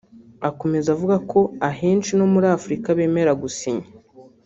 Akomeza avuga ko “Ahenshi no muri Afurika bemera gusinya